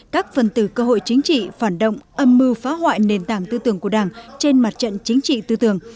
các phần từ cơ hội chính trị phản động âm mưu phá hoại nền tảng tư tưởng của đảng trên mặt trận chính trị tư tưởng